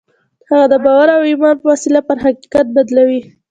هغه د باور او ايمان په وسيله پر حقيقت بدلوي.